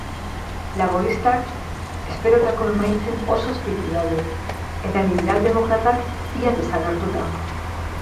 Laboristak esperotako emaitzen oso azpitik daude, eta liberaldemokratak, ia desagertuta.